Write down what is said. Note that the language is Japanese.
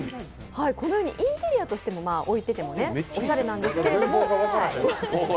このようにインテリアとしても、置いててもおしゃれなんですけど。